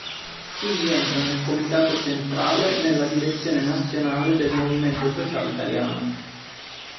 Quindi entra nel comitato centrale della direzione nazionale del Movimento Sociale Italiano.